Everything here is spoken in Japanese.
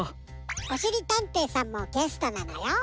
おしりたんていさんもゲストなのよ。